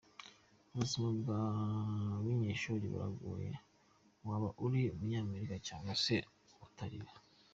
Ubuzima bwa kinyeshuri buragoye, waba uri Umunyamerika cyangwa se utariwe.